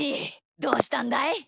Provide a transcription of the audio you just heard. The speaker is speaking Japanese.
どうしたんだい？